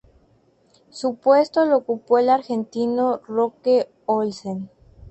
Su puesto lo ocupó el argentino Roque Olsen.